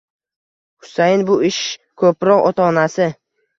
Husayin bu ish ko'proq ota-onasi